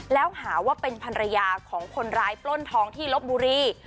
แล้วหาว่าเป็นภรรยาของคนร้ายปล้นทองที่ลบบุรี